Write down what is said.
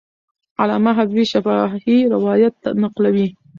علامه حبیبي شفاهي روایت نقلوي.